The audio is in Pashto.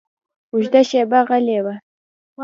اوږده شېبه غلی و.